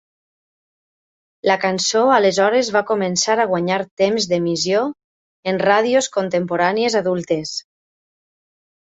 La cançó aleshores va començar a guanyar temps d'emissió en ràdios contemporànies adultes.